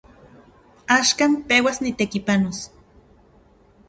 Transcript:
Axkan peuas nitekipanos.